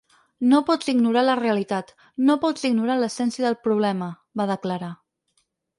No pots ignorar la realitat, no pots ignorar l’essència del problema, va declarar.